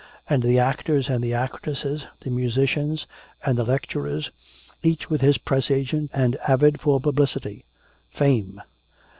And the actors and the actresses, the musicians and the lecturers, each with his press agent and avid for publicity, "fame!"